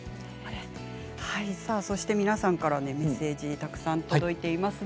皆さんからメッセージたくさん届いてます。